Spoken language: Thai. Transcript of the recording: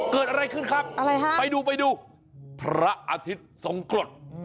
เกิดอะไรขึ้นครับไปดูพระอาทิตย์ทรงกฤษ